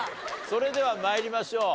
それでは参りましょう。